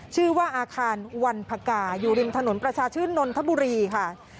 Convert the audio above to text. ชื่อว่าอาคารวันพกาอยู่ริมถนนประชาชื่นนนทบุรีค่ะ